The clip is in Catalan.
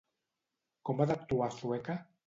Com ha d'actuar Sueca?